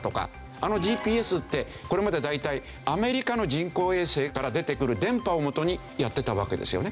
あのＧＰＳってこれまで大体アメリカの人工衛星から出てくる電波を元にやってたわけですよね。